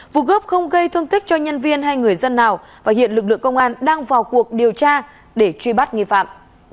vụ cướp không gây thương tích cho nhân viên hay người dân nào và hiện lực lượng công an đang vào cuộc điều tra để truy bắt nghi phạm